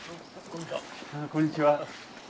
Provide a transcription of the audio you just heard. こんにちは。